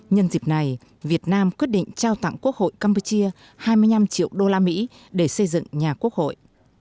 nhân dịp này việt nam quyết định trao tặng quốc hội campuchia hai mươi năm triệu đô la mỹ để xây dựng nhà quốc hội